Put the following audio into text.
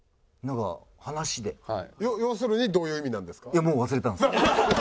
要するにどういう意味なんですか？